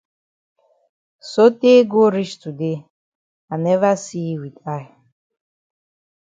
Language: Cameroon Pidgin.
Sotay go reach today so I never see yi with eye.